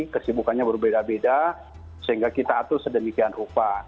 kesibukannya berbeda beda sehingga kita atur sedemikian rupa